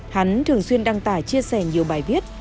hắn thường xuyên đăng tải chia sẻ nhiều bài viết